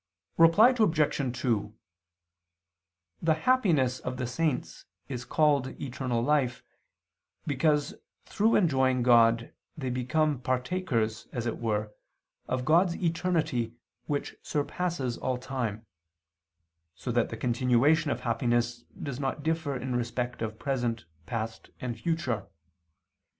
Reply Obj. 2: The happiness of the saints is called eternal life, because through enjoying God they become partakers, as it were, of God's eternity which surpasses all time: so that the continuation of happiness does not differ in respect of present, past and future.